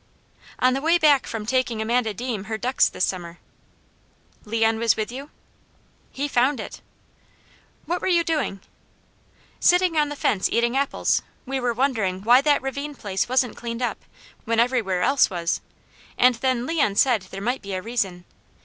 "On the way back from taking Amanda Deam her ducks this summer." "Leon was with you?" "He found it." "What were you doing?" "Sitting on the fence eating apples. We were wondering why that ravine place wasn't cleaned up, when everywhere else was, and then Leon said there might be a reason.